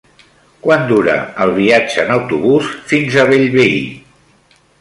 Quant dura el viatge en autobús fins a Bellvei?